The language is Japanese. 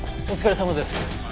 お疲れさまです。